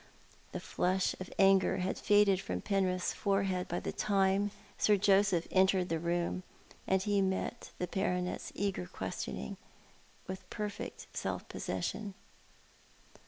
The flush of anger had faded from Penrith's forehead by the time Sir Joseph entered the room, and he met the baronet's eager questioning with perfect self possession.